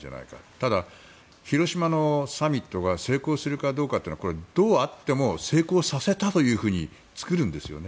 ただ、広島のサミットが成功するかどうかはこれはどうあっても成功させたと作るんですよね。